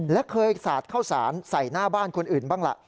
และเคยสาดเข้าสารใส่หน้าบ้านคนอื่นบ้างล่ะ